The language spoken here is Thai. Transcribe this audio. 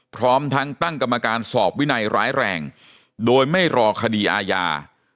พร้อมทั้งตั้งกรรมการสอบวินัยร้ายแรงโดยไม่รอคดีอาญา